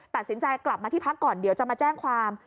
ตัดสินใจกลับมาที่พักก่อนเดี๋ยวจะมาแจ้งความ